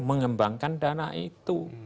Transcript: mengembangkan dana itu